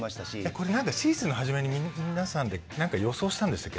これ何かシーズンの初めに皆さんで何か予想したんでしたっけ